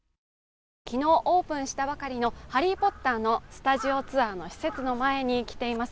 昨日オープンしたばかりの「ハリー・ポッター」のスタジオツアーの施設の前に来ています。